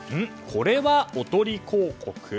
これはおとり広告？